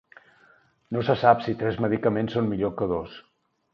No se sap si tres medicaments són millor que dos.